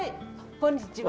こんにちは。